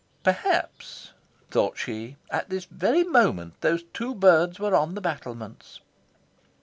Perhaps, thought she, at this very moment these two birds were on the battlements.